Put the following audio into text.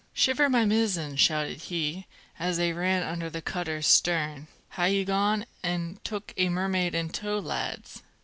"Shiver my mizzen!" shouted he, as they ran under the cutter's stern; "ha' ye gone an' took a mermaid in tow, lads?"